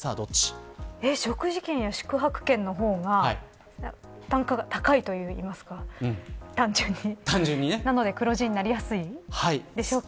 食事券や宿泊券の方が単価が高いというか、単純になので黒字になりやすいでしょうか。